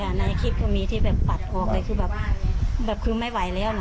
ในคลิปก็มีที่แบบปัดออกเลยคือแบบคือไม่ไหวแล้วนะ